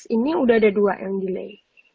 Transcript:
ini udah ada dua yang delay